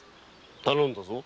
頼んだぞ。